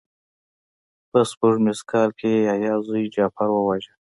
په سپوږمیز کال کې یې یحیی زوی جغفر وواژه.